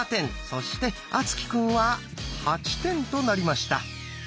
そして敦貴くんは８点となりました。